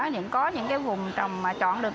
nhận có những cái vùng trồng mà chọn được